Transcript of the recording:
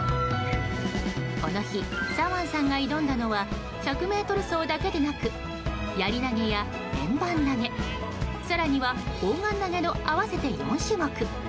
この日、サワンさんが挑んだのは１００ｍ走だけでなくやり投げや円盤投げ、更には砲丸投げの合わせて４種目。